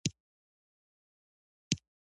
پوخ نیت انسان ته عزت ورکوي